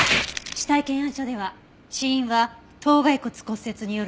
死体検案書では死因は頭蓋骨骨折による脳挫傷。